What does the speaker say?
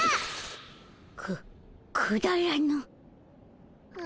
くくだらぬ。